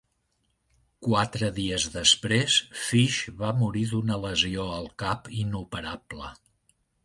Quatre dies després, Fish va morir d'una lesió al cap inoperable.